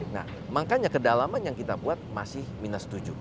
nah makanya kedalaman yang kita buat masih minus tujuh